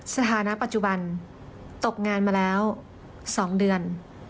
สถานะปัจจุบันตกงานมาแล้ว๒เดือน